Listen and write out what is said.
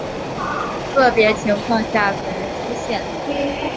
个别情况下可能出现。